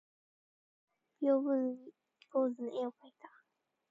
坊主が上手に屏風に坊主の絵を描いた